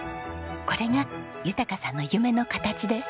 これが豊さんの夢の形です。